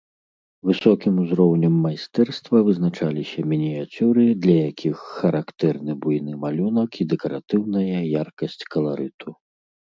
Высокім узроўнем майстэрства вызначаліся мініяцюры, для якіх характэрны буйны малюнак і дэкаратыўная яркасць каларыту.